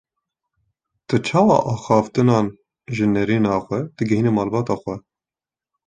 Tu çawa axaftin an jî nêrîna xwe digihîne malbata xwe?